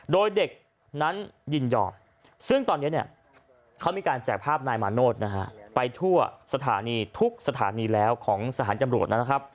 โดยเด็กนั้นยินยอมซึ่งตอนนี้เขามีการแจกภาพนายมาโน้ตไปทั่วทุกสถานีแล้วของสถานยำโรชนั้น